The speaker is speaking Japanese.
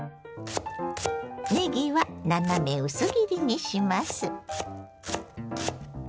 ねぎは斜め薄切りにします。